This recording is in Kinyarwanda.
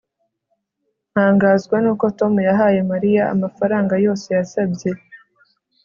ntangazwa nuko tom yahaye mariya amafaranga yose yasabye